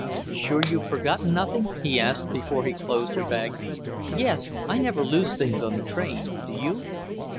"Sure you've forgotten nothing?" he asked before he closed her bag. "Yes. I never lose things on the train, do you?"